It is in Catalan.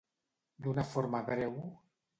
D'una forma breu...